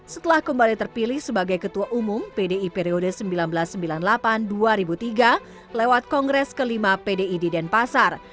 setelah kembali terpilih sebagai ketua umum pdi periode seribu sembilan ratus sembilan puluh delapan dua ribu tiga lewat kongres kelima pdi di denpasar